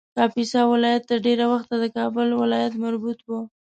کاپیسا ولایت تر ډېر وخته د کابل ولایت مربوط و